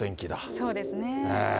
そうですね。